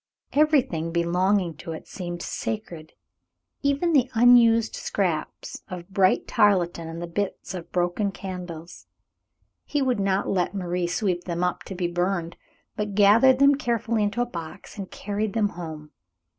Everything belonging to it seemed sacred, even the unused scraps of bright tarletan and the bits of broken candles. He would not let Marie sweep them up to be burned, but gathered them carefully into a box and carried them home.